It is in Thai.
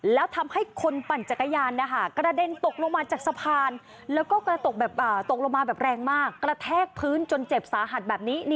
แล้วทำให้คนปั่นจักรยานกระเด็นตกลงมาจากสะพานแล้วก็กระตกลงมาแบบแรงมากกระแทกพื้นจนเจ็บสาหัสแบบนี้